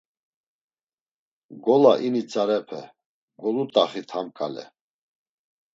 Gola ini tzarepe, golut̆axit ham ǩale!